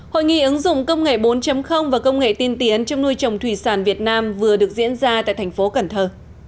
hội nghị ứng dụng công nghệ bốn và công nghệ tiên tiến trong nuôi trồng thủy sản việt nam vừa được diễn ra tại thành phố cần thơ